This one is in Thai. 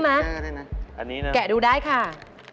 เปิดเลยค่ะ